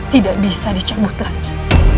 tidak bisa dicabut lagi